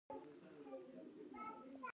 اسدالله الفت په ډيپلوماسي کي يو پښتون ليکوال دی.